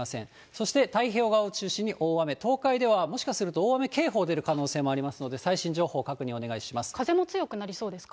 そして、太平洋側を中心に大雨、東海ではもしかすると大雨警報出る可能性もありますので、最新情風も強くなりそうですか。